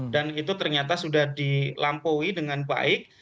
dan itu ternyata sudah dilampaui dengan baik